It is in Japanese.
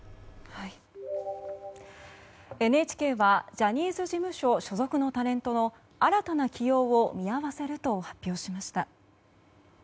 ＮＨＫはジャニーズ事務所所属のタレントの新たな起用を見合わせると発表しました。